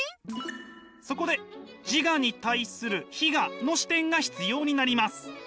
そこで自我に対する非我の視点が必要になります。